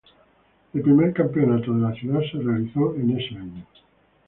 El primer campeonato de la ciudad se realizó en este año.